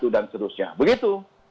dan seterusnya begitu